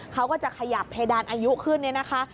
เขาก็จะขยับเพดานอายุขึ้นเนี่ยนะคะ